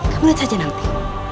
kamu lihat saja nanti